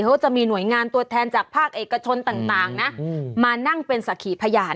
เขาก็จะมีหน่วยงานตัวแทนจากภาคเอกชนต่างนะมานั่งเป็นสักขีพยาน